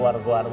kalau kita lihat